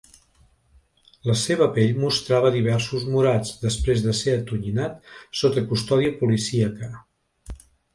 La seva pell mostrava diversos morats després de ser atonyinat sota custòdia policíaca.